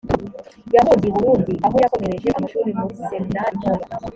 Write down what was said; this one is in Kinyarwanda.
yahungiye i burundi aho yakomereje amashuri muri seminari ntoya